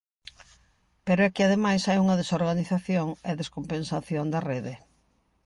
Pero é que ademais hai unha desorganización e descompensación da rede.